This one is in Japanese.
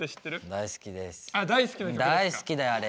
大好きだよあれ。